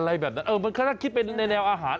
แบบนั้นเออมันแค่คิดเป็นในแนวอาหาร